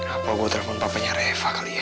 apa gua telepon papenya reva kali ya